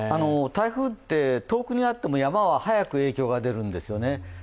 台風って遠くにあっても山は早く影響が出るんですよね。